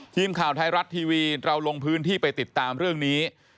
ทีมข่าวไทยรัฐทีวีเราลงพื้นที่ไปติดตามเรื่องนี้